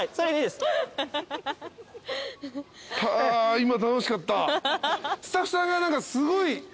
今楽しかった。